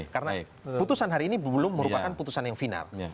karena putusan hari ini belum merupakan putusan yang final